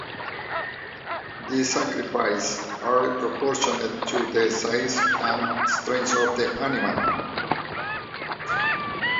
These sacrifices are proportioned to the size and strength of the animal.